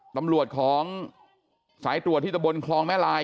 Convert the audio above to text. ตำรวจของสายตรวจที่ตะบนคลองแม่ลาย